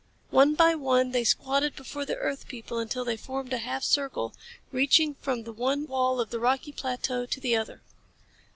One by one they squatted before the earth people until they formed a half circle, reaching from the one wall of the rocky plateau to the other.